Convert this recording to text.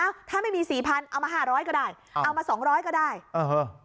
ถ้าไม่มีสี่พันเอามาห้าร้อยก็ได้เอามาสองร้อยก็ได้เออ